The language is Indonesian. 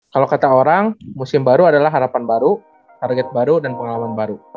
kalau kata orang musim baru adalah harapan baru target baru dan pengalaman baru